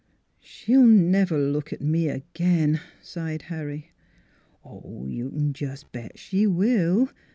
" She'll never look at me again," sighed Harry. 11 You c'n jes' bet she will.